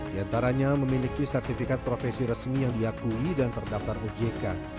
di antaranya memiliki sertifikat profesi resmi yang diakui dan terdaftar ojk